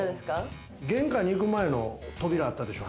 玄関に行く前の扉あったでしょ。